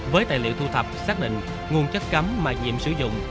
với tài liệu thu thập xác định nguồn chất cấm mà diệm sử dụng